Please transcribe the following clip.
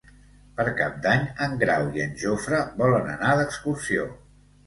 Per Cap d'Any en Grau i en Jofre volen anar d'excursió.